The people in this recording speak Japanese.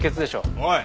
おい！